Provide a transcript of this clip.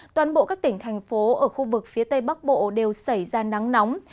toàn bộ các tỉnh thành phố ở khu vực phía tây bắc bộ đều xảy ra nắng nóng